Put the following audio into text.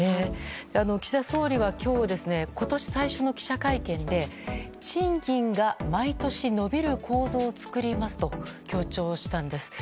岸田総理は今日今年最初の記者会見で賃金が毎年伸びる構造を作りますと強調したんです。